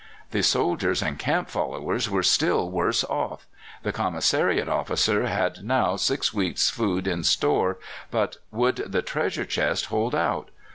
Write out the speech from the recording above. The soldiers and camp followers were still worse off. The commissariat officer had now six weeks' food in store, but would the treasure chest hold out?